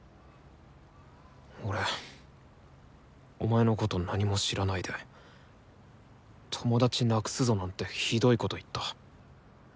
俺お前のこと何も知らないで「友達なくすぞ」なんてひどいこと言った。